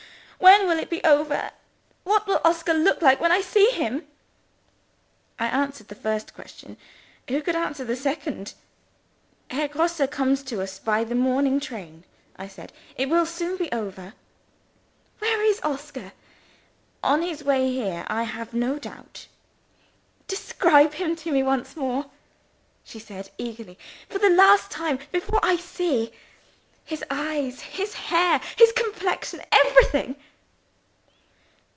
when will it be over? what will Oscar look like when I see him?" I answered the first question. Who could answer the second? "Herr Grosse comes to us by the morning train," I said. "It will soon be over." "Where is Oscar?" "On his way here, I have no doubt." "Describe him to me once more," she said eagerly. "For the last time, before I see. His eyes, his hair, his complexion everything!"